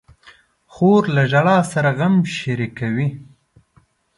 خور له ژړا سره غم شریکوي.